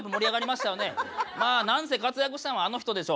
まあ何せ活躍したのはあの人でしょう。